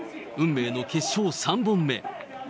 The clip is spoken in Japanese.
運命の決勝３本目。